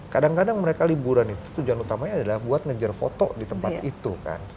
kadang kadang mereka liburan itu tujuan utamanya adalah buat ngejar foto di tempat itu kan